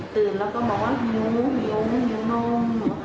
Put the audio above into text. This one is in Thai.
แล้วก็บอกว่าหิวหิวหิวนม